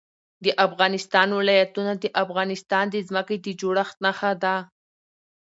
د افغانستان ولايتونه د افغانستان د ځمکې د جوړښت نښه ده.